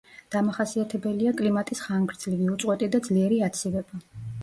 დამახასიათებელია კლიმატის ხანგრძლივი, უწყვეტი და ძლიერი აცივება.